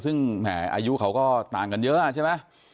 ซึ่งแหมอายุเขาก็ต่างกันเยอะใช่ไหม